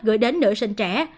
gửi đến nữ sinh trẻ